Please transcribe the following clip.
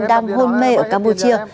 đang hôn mê ở campuchia